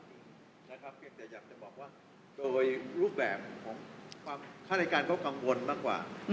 เกรกจะอยากจะบอกว่าโดยรูปแบบของฮการเขากำวนมากกว่า